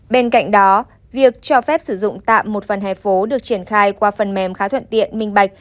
bên cạnh đó việc cho phép sử dụng tạm một phần he phố được triển khai qua phần mềm khá thuận tiện minh bạch